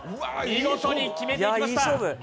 見事に決めていきました。